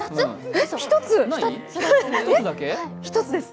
１つです。